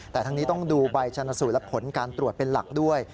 แต่ทั้งนี้ต้องดูใบชนสูตรและผลการตรวจเป็นหลักด้วย